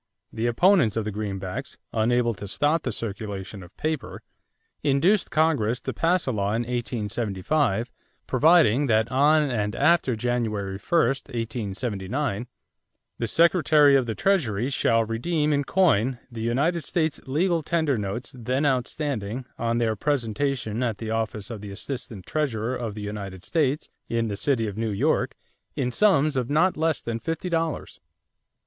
The opponents of the greenbacks, unable to stop the circulation of paper, induced Congress to pass a law in 1875 providing that on and after January 1, 1879, "the Secretary of the Treasury shall redeem in coin the United States legal tender notes then outstanding on their presentation at the office of the Assistant Treasurer of the United States in the City of New York in sums of not less than fifty dollars."